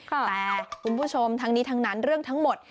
แต่คุณผู้ชมทั้งนี้ทั้งนั้นเรื่องทั้งหมด